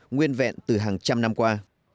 nguyên vẹn từ hàng trăm năm qua